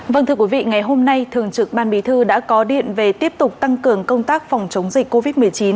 vâng thưa quý vị ngày hôm nay thường trực ban bí thư đã có điện về tiếp tục tăng cường công tác phòng chống dịch covid một mươi chín